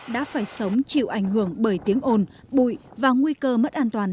đã phải sống chịu ảnh hưởng bởi tiếng ồn bụi và nguy cơ mất an toàn